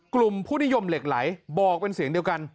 กลุ่มผู้นิยมเหล็กไหลบอกเป็นเสียงเดียวกัน